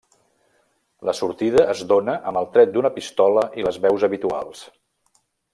La sortida es dóna amb el tret d'una pistola i les veus habituals.